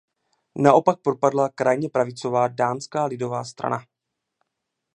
Naopak propadla krajně pravicová Dánská lidová strana.